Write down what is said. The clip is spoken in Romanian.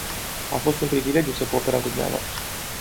A fost un privilegiu să cooperăm cu dvs.